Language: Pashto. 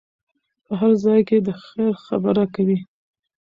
په هر ځای کې د خیر خبره کوئ.